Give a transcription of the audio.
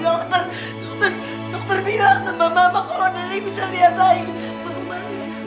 dokter dokter bilang sama mama kalau nenek bisa lihat lagi